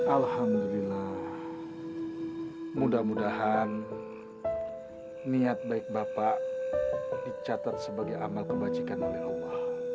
alhamdulillah mudah mudahan niat baik bapak dicatat sebagai amal kebajikan oleh allah